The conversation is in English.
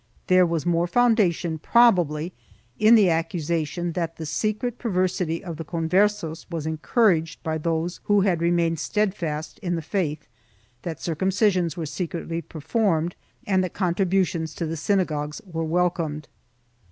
There was more foundation, probably, in the accusation that the secret perversity of the Converses was encouraged by those who had remained steadfast in the faith, that circumcisions were secretly performed and that contributions to the synagogues were welcomed.